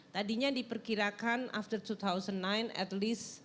tadinya diperkirakan after dua ribu sembilan at least